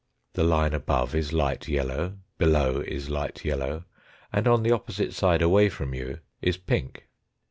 The line above is light yellow, below is light yellow and on the opposite side away from you is pink.